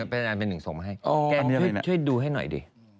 อาจารย์เป็นหนึ่งส่งมาให้แกช่วยดูให้หน่อยดิ